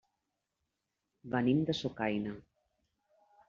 Venim de Sucaina.